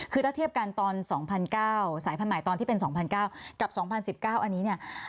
คือถ้าเทียบกันตอน๒๙๐๐สายพันธุ์ใหม่ตอนที่เป็น๒๙๐๐กับ๒๐๑๙อันนี้เนี่ย